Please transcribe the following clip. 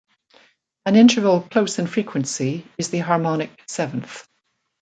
An interval close in frequency is the harmonic seventh.